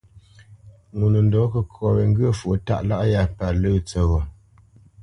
Ŋo nə ndɔ̌ kəkɔ wé ŋgyə̂ fwo tâʼ lâʼ yá pa lə̂ tsəghó.